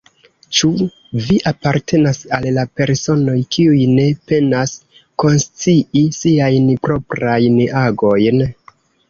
Ĉu vi apartenas al la personoj, kiuj ne penas konscii siajn proprajn agojn?